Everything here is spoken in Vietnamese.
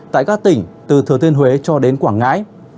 tại các tỉnh từ thừa thiên huế cho đến quảng ngãi